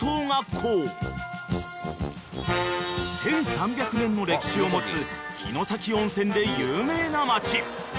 ［１，３００年の歴史を持つ城崎温泉で有名な街］